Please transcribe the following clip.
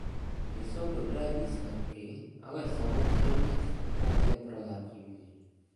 To jsou dobré výsledky, ale samozřejmě jsou pouze prozatímní.